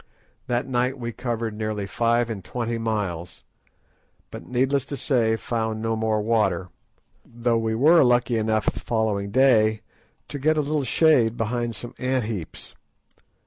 That night we covered nearly five and twenty miles; but, needless to say, found no more water, though we were lucky enough the following day to get a little shade behind some ant heaps.